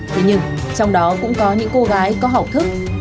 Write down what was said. tuy nhiên trong đó cũng có những cô gái có học thức